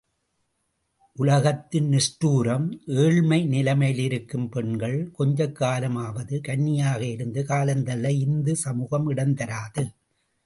உலகத்தின் நிஷ்டூரம் ஏழ்மை நிலைமையிலிருக்கும் பெண்கள் கொஞ்ச காலமாவது கன்னியாக இருந்து காலந்தள்ள ஹிந்து சமூகம் இடந்தராது.